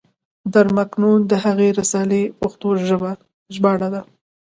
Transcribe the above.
در مکنون د هغې رسالې پښتو ژباړه ده.